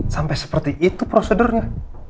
sampai seperti itu prosedurnya